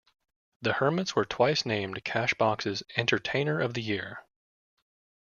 The Hermits were twice named Cashbox's "Entertainer of the Year".